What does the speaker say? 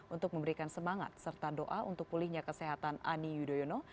untuk memberikan semangat serta doa untuk pulihnya kesehatan ani yudhoyono